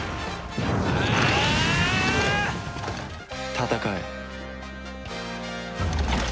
戦え。